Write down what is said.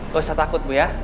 gak usah takut bu ya